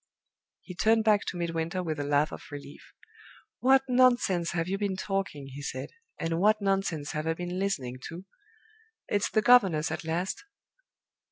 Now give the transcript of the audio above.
He turned back to Midwinter with a laugh of relief. "What nonsense have you been talking!" he said. "And what nonsense have I been listening to! It's the governess at last."